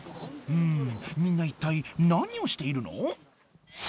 んみんな一体何をしているの？